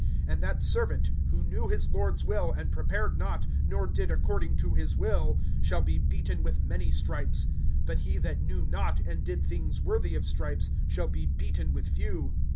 (47)And that servant, who knew his lord's will, and prepared not, nor did according to his will, shall be beaten with many stripes; (48)but he that knew not, and did things worthy of stripes, shall be beaten with few.